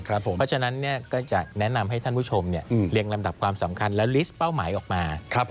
เพราะฉะนั้นก็จะแนะนำให้ท่านผู้ชมเรียงลำดับความสำคัญและลิสต์เป้าหมายออกมา